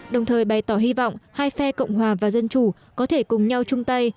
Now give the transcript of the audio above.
đồng thời bày tỏ hy vọng hai phe cộng hòa và dân chủ có thể cùng nhau chung tay